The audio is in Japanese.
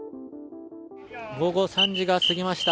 午後３時が過ぎました。